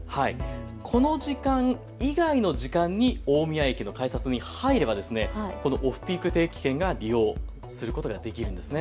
この時間以外の時間に大宮駅の改札に入ればオフピーク定期券が利用することができるんです。